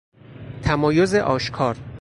تمایز آشکار